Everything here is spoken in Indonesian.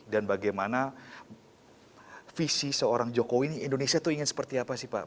dan bagaimana visi seorang jokowi ini indonesia itu ingin seperti apa sih pak